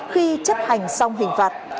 khi chấp hành xong hình phạt